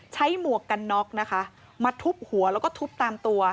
หมวกกันน็อกนะคะมาทุบหัวแล้วก็ทุบตามตัว